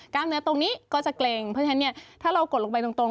เนื้อตรงนี้ก็จะเกร็งเพราะฉะนั้นเนี่ยถ้าเรากดลงไปตรง